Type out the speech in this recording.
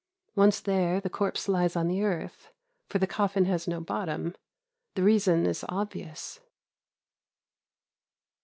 Once there the corpse lies on the earth, for the coffin has no bottom. The reason is obvious.